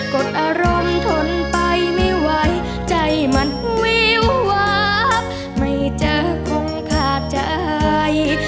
ก็ได้ร่มทนไปไม่ไหวใจมันไม่หวังไม่จะคงพาใจ